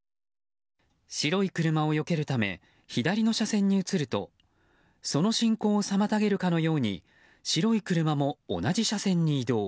白い車をよけるため左の車線に移るとその進行を妨げるかのように白い車も同じ車線に移動。